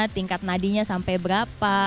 tingkat nadinya sampai berapa